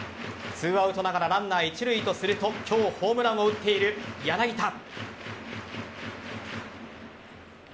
２アウトながらランナー一塁とすると今日ホームランを打っている柳田。